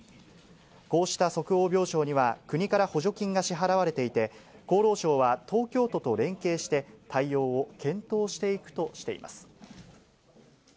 こうした即応病床には国から補助金が支払われていて、厚労省は、東京都と連携して対応を検討していくとしています。